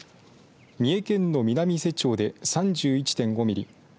三重県の南伊勢町で３１．５ミリ